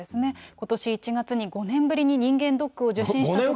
ことし１月に５年ぶりに人間ドックを受診したところ。